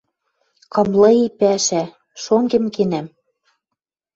Кымлы и пӓшӓ... Шонгем кенӓм». —